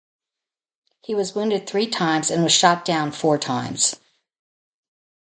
He was wounded three times and was shot down four times.